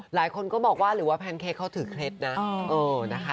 หลายคนก็บอกว่าหรือว่าแพนเค้กเขาถือเคล็ดนะนะคะ